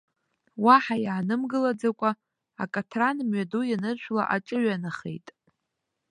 Уаҳа иаанымгылаӡакәа, акаҭран мҩаду ианыршәла аҿыҩанахеит.